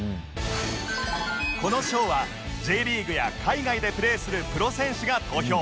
この賞は Ｊ リーグや海外でプレーするプロ選手が投票